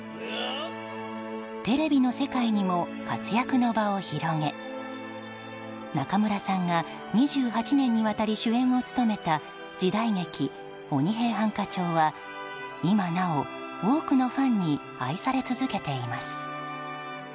テレビの世界にも活躍の場を広げ中村さんが２８年にわたり主演を務めた時代劇「鬼平犯科帳」は今なお多くのファンに愛され続けています。